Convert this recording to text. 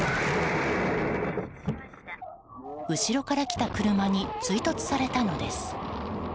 後ろから来た車に追突されたのです。